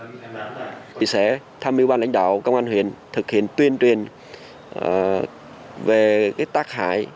chúng tôi sẽ tham dự ban lãnh đạo công an huyện thực hiện tuyên truyền về tác hại